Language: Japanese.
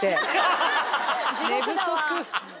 寝不足。